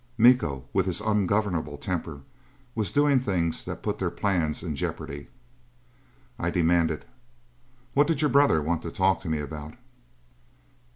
Miko, with his ungovernable temper, was doing things that put their plans in jeopardy. I demanded, "What did your brother want to talk to me about?"